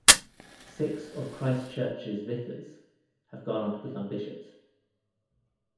Six of Christ Church’s vicars have gone on to become bishops.